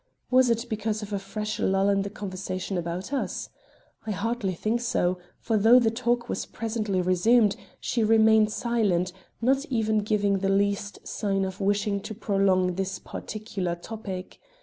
Was it because of a fresh lull in the conversation about us? I hardly think so, for though the talk was presently resumed, she remained silent, not even giving the least sign of wishing to prolong this particular topic.